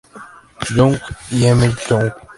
Young y M. Young.